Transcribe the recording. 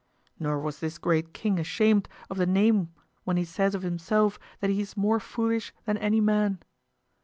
Nor was this great king ashamed of the name when he says of himself that he is more foolish than any man.